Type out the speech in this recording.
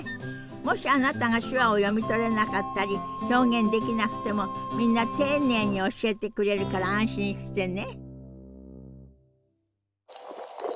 もしあなたが手話を読み取れなかったり表現できなくてもみんな丁寧に教えてくれるから安心してね。